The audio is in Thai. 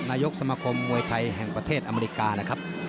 นายกสมคมมวยไทยแห่งประเทศอเมริกานะครับ